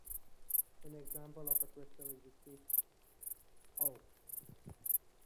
An example of a crystal is the sheaf "O".